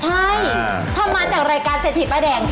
ใช่ทำมาจากรายการเศรษฐีป้ายแดง